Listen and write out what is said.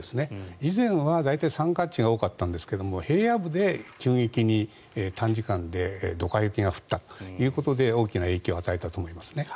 以前は大体山間地が多かったんですが平野部で急激に短時間でドカ雪が降ったということで大きな影響を与えたと思いますね。